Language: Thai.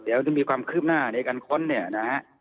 เดี๋ยวจะมีความคืบหน้าในการค้นเนี่ยนะฮะ